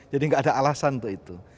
jadi gak ada alasan untuk itu